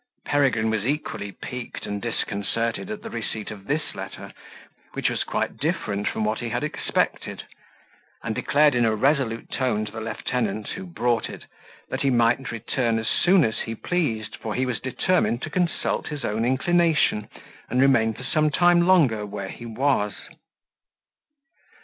Peregrine was equally piqued and disconcerted at the receipt of this letter, which was quite different from what he had expected; and declared in a resolute tone to the lieutenant, who brought it, that he might return as soon as he pleased, for he was determined to consult his own inclination, and remain for some time longer where he was.